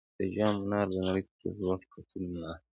د جام منار د نړۍ تر ټولو لوړ خټین منار دی